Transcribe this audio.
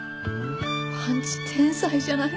パンチ天才じゃない？